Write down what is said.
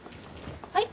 はい？